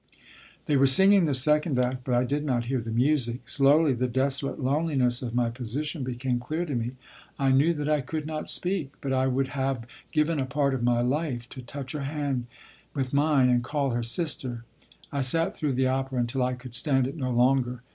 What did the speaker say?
They were singing the second act, but I did not hear the music. Slowly the desolate loneliness of my position became clear to me. I knew that I could not speak, but I would have given a part of my life to touch her hand with mine and call her "sister." I sat through the opera until I could stand it no longer.